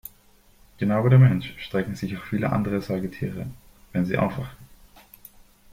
Genau wie der Mensch strecken sich auch viele andere Säugetiere, wenn sie aufwachen.